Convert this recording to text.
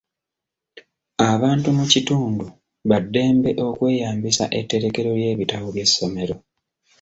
Abantu mu kitundu ba ddembe okweyambisa etterekero ly'ebitabo by'essomero.